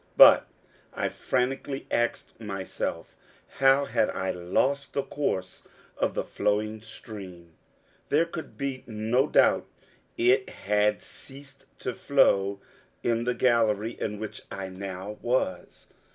But, I frantically asked myself, how had I lost the course of the flowing stream? There could be no doubt it had ceased to flow in the gallery in which I now was.